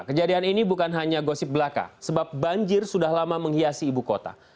kejadian ini bukan hanya gosip belaka sebab banjir sudah lama menghiasi ibu kota